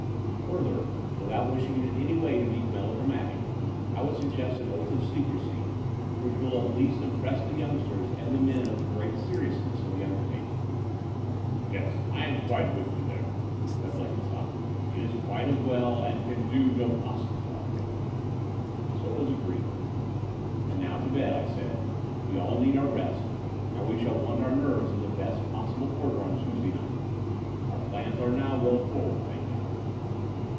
Further, without wishing in any way to be melodramatic, I would suggest an oath of secrecy, which will at least im press the yotmgsters and the men of the great seriousness of the tmdertaking." "Yes, I am quite with you there," said Blenkin sopp. "It is quite as well and can do no possible harm." So it was agreed. "And now to bed," I said. "We all need our rest; and we shall want our nerves in the best possible order on Tuesday night. Our plans are now well forward, thank God."